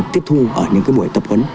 tiếp thu ở những cái buổi tập huấn